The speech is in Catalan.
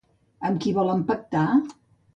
Amb qui volen pactar?